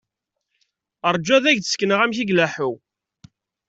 Ṛǧu ad ak-d-sekneɣ amek i ileḥḥu.